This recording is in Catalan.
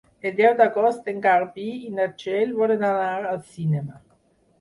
El deu d'agost en Garbí i na Txell volen anar al cinema.